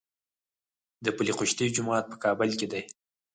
د پل خشتي جومات په کابل کې دی